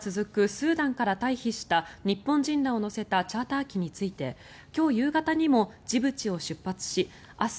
スーダンから退避した日本人らを乗せたチャーター機について今日夕方にもジブチを出発し明日